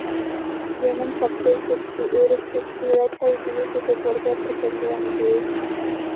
زېمىن شاپتۇل چېچىكى، ئۆرۈك چېچىكى ۋە چاي گۈلى چېچەكلىرىگە پۈركەنگەنىدى.